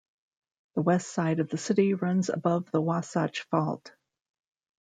The west side of the city runs above the Wasatch Fault.